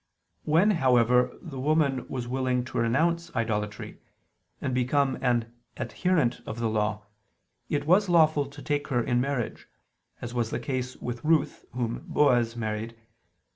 When, however, the woman was willing to renounce idolatry, and become an adherent of the Law, it was lawful to take her in marriage: as was the case with Ruth whom Booz married.